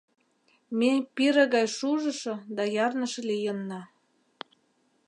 Ме пире гай шужышо да ярныше лийынна.